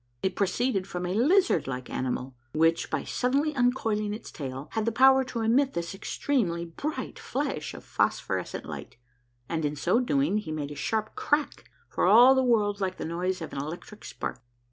It proceeded from a lizard like animal, which, by suddenly uncoil ing its tail, had the power to emit this extremely bright flash of phosphorescent light, and in so doing he made a sharp crack, for all the world like the noise of an electric spark.